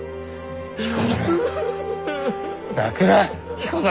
彦殿。